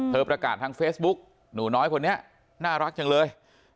ประกาศทางเฟซบุ๊กหนูน้อยคนนี้น่ารักจังเลย